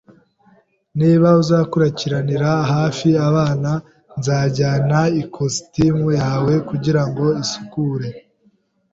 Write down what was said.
Niba uzakurikiranira hafi abana, nzajyana ikositimu yawe kugirango isukure.